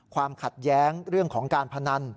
ความขัดแย้งเรื่องของการพนัน